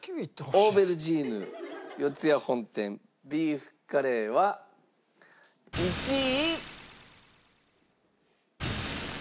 オーベルジーヌ四谷本店ビーフカレーは１位。